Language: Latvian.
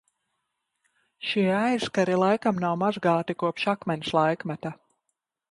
Šie aizkari laikam nav mazgāti kopš akmens laikmeta.